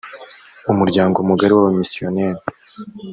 umuryango mugari w’abamisiyoneri